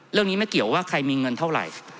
เรื่องนี้ไม่เกี่ยวว่าใครมีเงินเท่าไหร่